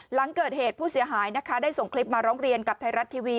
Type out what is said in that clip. หลังเกิดเหตุผู้เสียหายนะคะได้ส่งคลิปมาร้องเรียนกับไทยรัฐทีวี